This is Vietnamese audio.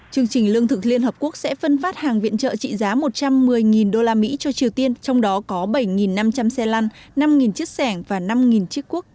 chương trình lương thực liên hợp quốc sẽ phân phát hàng viện trợ trị giá một trăm một mươi usd cho triều tiên trong đó có bảy năm trăm linh xe lăn năm chiếc sẻng và năm chiếc quốc